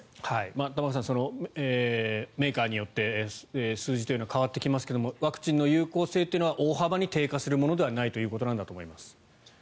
玉川さんメーカーによって数字というのは変わってきますがワクチンの有効性は大幅に低下するものではないということなんだと思います。